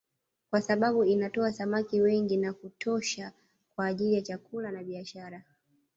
Kwa sababu inatoa samaki wengi na wa kutosha kwa ajili ya chakula na biashara